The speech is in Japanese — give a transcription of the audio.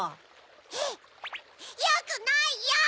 えっよくないよ！